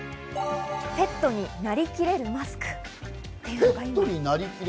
ペットになりきれるマスクです。